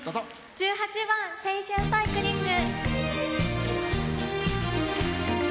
１８番「青春サイクリング」。